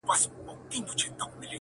• د کور هر غړی مات او بې وسه ښکاري,